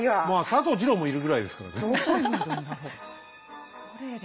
まあ佐藤二朗もいるぐらいですからね。